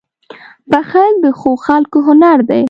• بښل د ښو خلکو هنر دی.